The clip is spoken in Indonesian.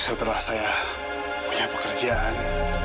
setelah saya punya pekerjaan